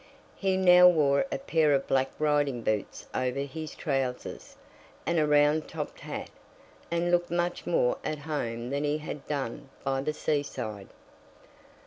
He now wore a pair of black riding boots over his trousers, and a round topped hat, and looked much more at home than he had done by the seaside.